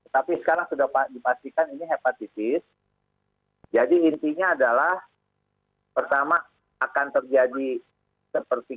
tapi sekarang sudah dipastikan ini hepatitis jadi intinya adalah pertama akan terjadi seperti